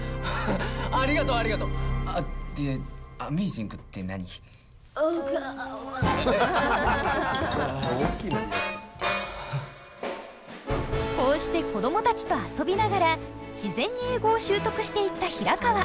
あっでこうして子供たちと遊びながら自然に英語を習得していった平川。